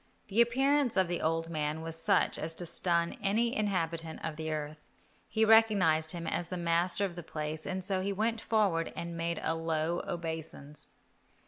The appearance of the old man was such as to stun any inhabitant of the earth. He recognized him as the master of the place, and so he went forward and made a low obeisance.